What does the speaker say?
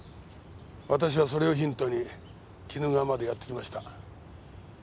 私はそれをヒントに鬼怒川までやって来ました。